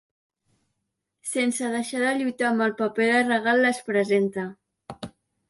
Sense deixar de lluitar amb el paper de regal les presenta.